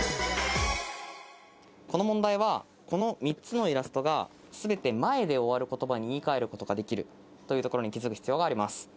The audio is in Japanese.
この問題はこの３つのイラストが全て「前」で終わる言葉に言い換えることができるというところに気付く必要があります。